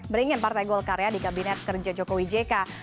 beringin partai golkar ya di kabinet kerja jokowi jk